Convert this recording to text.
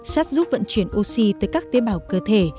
sắt giúp vận chuyển oxy tới các tế bào cơ thể